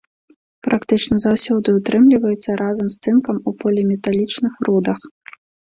Практычна заўсёды ўтрымліваецца разам з цынкам у поліметалічных рудах.